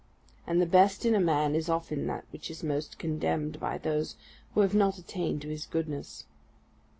And the best in a man is often that which is most condemned by those who have not attained to his goodness.